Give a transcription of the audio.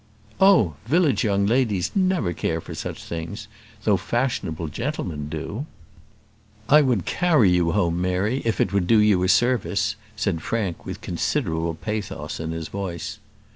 "Oh! village young ladies never care for such things, though fashionable gentlemen do." "I would carry you home, Mary, if it would do you a service," said Frank, with considerable pathos in his voice.